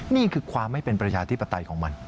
นี่คือความไม่เป็นประชาธิปไตยของมัน